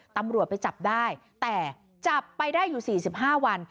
ตำรวจไปจับได้แต่จับไปได้อยู่๔๕วัน